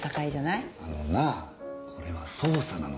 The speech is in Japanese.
あのなぁこれは捜査なの。